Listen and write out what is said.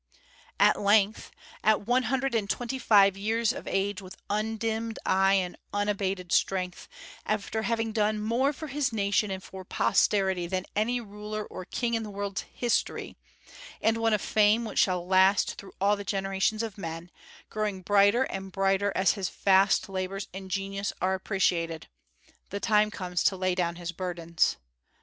At length at one hundred and twenty years of age, with undimmed eye and unabated strength, after having done more for his nation and for posterity than any ruler or king in the world's history, and won a fame which shall last through all the generations of men, growing brighter and brighter as his vast labors and genius are appreciated the time comes to lay down his burdens.